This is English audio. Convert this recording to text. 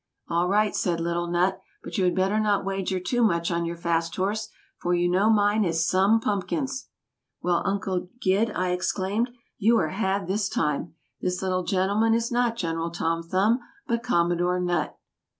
"All right," said little Nutt, "but you had better not wager too much on your fast horse, for you know mine is some pumpkins." "Well, Uncle Gid.," I exclaimed, "you are 'had' this time; this little gentleman is not General Tom Thumb, but Commodore Nutt."